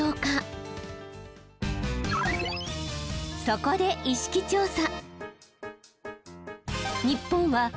そこで意識調査。